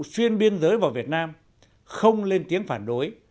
xuyên biên giới vào việt nam không lên tiếng phản đối